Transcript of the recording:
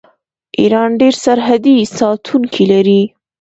ایران ډیر سرحدي ساتونکي لري.